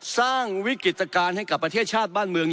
สร้างวิกฤตการณ์ให้กับประเทศชาติบ้านเมือง